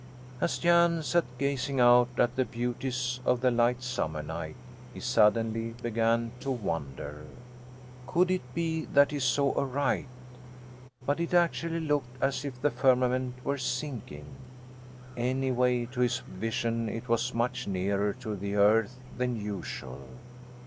As Jan sat gazing out at the beauties of the light summer night he suddenly began to wonder. Could it be that he saw aright? But it actually looked as if the firmament were sinking. Anyway, to his vision it was much nearer to the earth than usual.